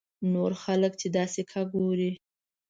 نور خلک چې دا سکه ګوري.